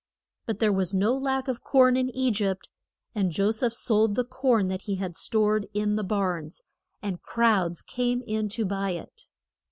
But there was no lack of corn in E gypt. And Jo seph sold the corn that he had stored in the barns, and crowds came in to buy it.